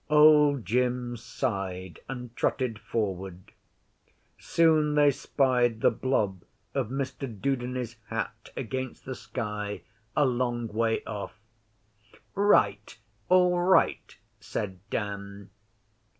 Old Jim sighed, and trotted forward. Soon they spied the blob of Mr Dudeney's hat against the sky a long way off. 'Right! All right!' said Dan.